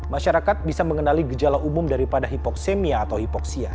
masyarakat bisa mengenali gejala umum daripada hipoksemia atau hipoksia